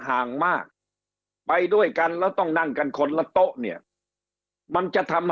ห่างมากไปด้วยกันแล้วต้องนั่งกันคนละโต๊ะเนี่ยมันจะทำ